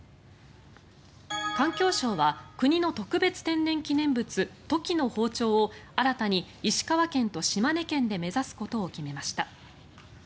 環境省は国の特別天然記念物トキの放鳥を新たに石川県と島根県で目指すことを決めました。